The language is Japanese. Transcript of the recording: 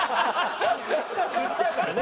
振っちゃうからね。